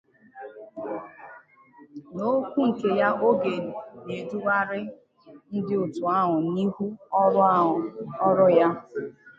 N'okwu nke ya oge ọ na-edugharị ndị òtù ahụ n'ihu ọrụ ya